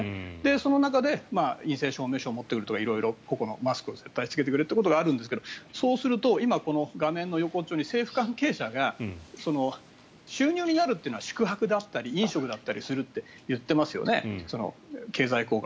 その中で陰性証明書を持ってくるとかマスクを着けてくれということがあるんですけどそうすると今、この画面の横に政府関係者が収入になるというのは宿泊だったり飲食だったりするって言ってますよね、経済効果。